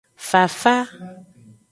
Fafa.